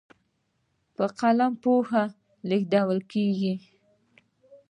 په قلم پوهه لیږدېږي.